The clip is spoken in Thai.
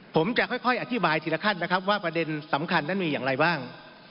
ผมจะค่อยอธิบายทีละขั้นนะครับว่าประเด็นสำคัญนั้นมีอย่างไรบ้าง